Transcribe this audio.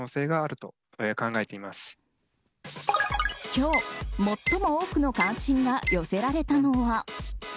今日、最も多くの関心が寄せられたのは。